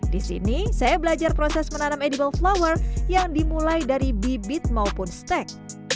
di sini saya belajar proses menanam edible flower yang dimulai dari bibit maupun stek